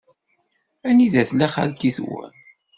Anida tella xalti-nwen?